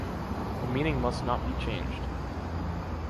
The meaning must not be changed.